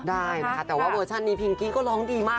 ได้นะคะแต่ว่าเวอร์ชันนี้พิงกี้ก็ร้องดีมาก